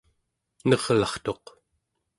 nerlartuq